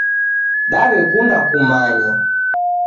Dawekunda kummanya